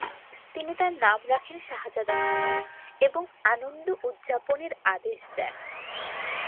তিনি তার নাম রাখেন শাহজাদা খানম এবং আনন্দ উদযাপনের আদেশ দেন।